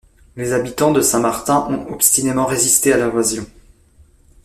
Les habitants de Saint-Martin ont obstinément résisté à l'invasion.